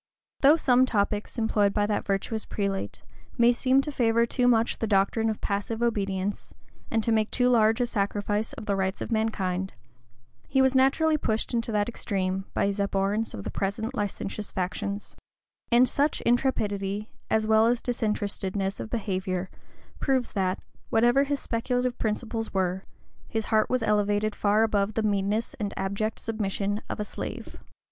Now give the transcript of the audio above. Though some topics employed by that virtuous prelate may seem to favor too much the doctrine of passive obedience, and to make too large a sacrifice of the rights of mankind, he was naturally pushed into that extreme by his abhorrence of the present licentious factions; and such intrepidity, as well as disinterestedness of behavior, proves that, whatever his speculative principles were his heart was elevated far above the meanness and abject submission of a slave.